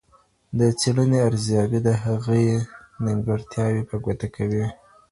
د څېړني ارزیابي د هغې نیمګړتیاوې په ګوته کوي.